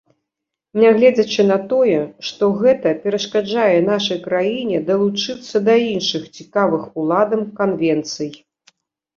Нягледзячы на тое, што гэта перашкаджае нашай краіне далучыцца да іншых цікавых уладам канвенцый.